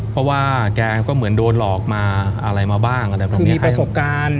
เพราะว่าแกก็เหมือนโดนหลอกมาอะไรมาบ้างอะไรบ้างคือมีประสบการณ์